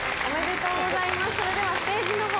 おめでとうございます。